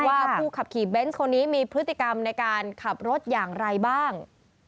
ว่าผู้ขับขี่เบนส์คนนี้มีพฤติกรรมในการขับรถอย่างไรบ้าง